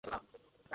কী, madam?